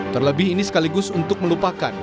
terlebih ini sekaligus untuk melupakan